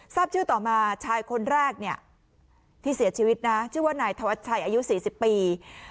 ทราบชื่อต่อมาชายคนแรกเนี่ยที่เสียชีวิตนะชื่อว่านายธวัชชัยอายุ๔๐ปี